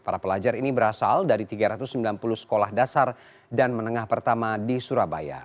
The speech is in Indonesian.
para pelajar ini berasal dari tiga ratus sembilan puluh sekolah dasar dan menengah pertama di surabaya